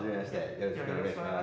よろしくお願いします。